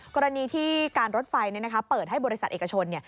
กรณีที่การรถไฟเปิดให้บริษัทเอกชน